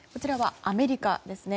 アメリカですね。